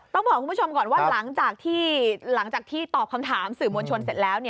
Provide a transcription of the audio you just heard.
ต้องบอกคุณผู้ชมก่อนว่าหลังจากที่ตอบคำถามสื่อมวลชนเสร็จแล้ว